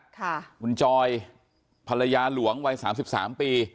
คุณจอยภรรยาหลวงวัย๓๓ปี